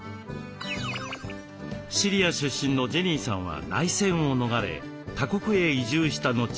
シリア出身のジェニーさんは内戦を逃れ他国へ移住した後日本へ。